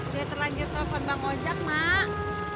dia terlanjur telepon bang ojek mak